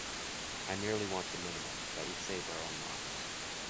I merely want the minimum—that we save our own lives.